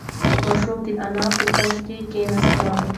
ماشوم د انا په څنگ کې کېناست.